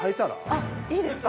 あっいいですか？